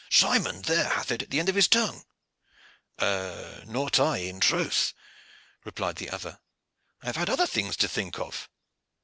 Simon there hath it at the end of his tongue." "Not I, in troth," replied the other; "I have had other things to think of.